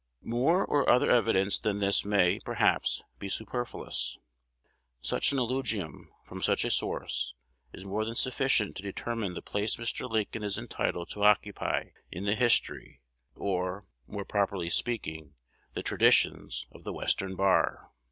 More or other evidence than this may, perhaps, be superfluous. Such an eulogium, from such a source, is more than sufficient to determine the place Mr. Lincoln is entitled to occupy in the history, or, more properly speaking, the traditions, of the Western bar.